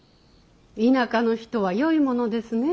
田舎の人はよいものですね。